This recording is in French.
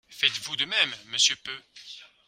Faites-vous de même, monsieur Peu?